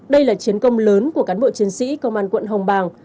đây là chiến công lớn của cán bộ chiến sĩ công an quận hồng bàng